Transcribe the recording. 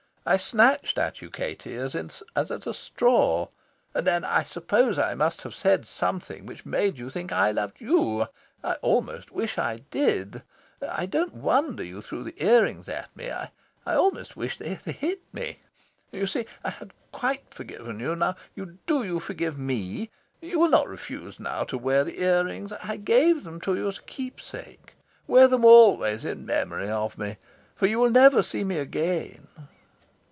I snatched at you, Katie, as at a straw. And then, I suppose, I must have said something which made you think I loved you. I almost wish I did. I don't wonder you threw the ear rings at me. I I almost wish they had hit me... You see, I have quite forgiven you. Now do you forgive me. You will not refuse now to wear the ear rings. I gave them to you as a keepsake. Wear them always in memory of me. For you will never see me again."